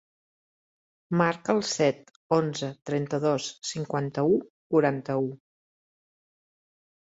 Marca el set, onze, trenta-dos, cinquanta-u, quaranta-u.